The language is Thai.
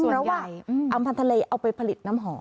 เพราะว่าอำพันธ์ทะเลเอาไปผลิตน้ำหอม